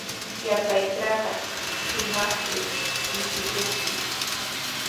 Yapaytrawqa shumaqri michikunki.